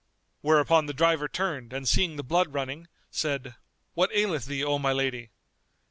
Whereupon the driver turned and seeing the blood running, said, "What aileth thee, O my lady?"